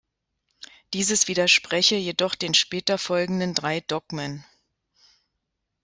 Dieses widerspreche jedoch den später folgenden drei Dogmen.